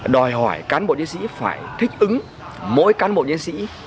đòi hỏi cán bộ diễn sĩ phải thích ứng mỗi cán bộ chiến sĩ